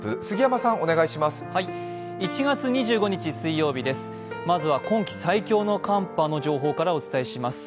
先ずは今季最強の寒波の情報からお伝えします。